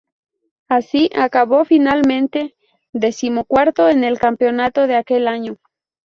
Así, acabó finalmente decimocuarto en el campeonato de aquel año.